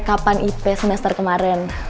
rekapan ip semester kemarin